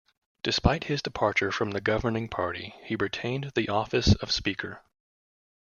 Despite his departure from the governing party, he retained the office of Speaker.